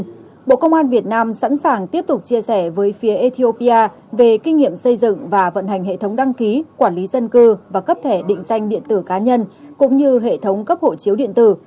trong đó bộ công an việt nam sẵn sàng tiếp tục chia sẻ với phía ethiopia về kinh nghiệm xây dựng và vận hành hệ thống đăng ký quản lý dân cư và cấp thẻ định danh điện tử cá nhân cũng như hệ thống cấp hộ chiếu điện tử